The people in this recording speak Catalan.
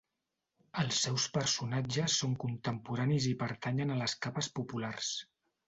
Els seus personatges són contemporanis i pertanyen a les capes populars.